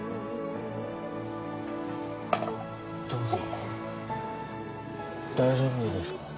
どうぞ大丈夫ですか？